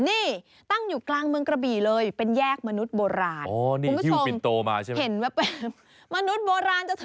นี่ตั้งอยู่กลางเมืองกระบี่เลยเป็นแยกมนุษย์โบราณ